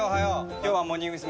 今日は「モーニング娘。」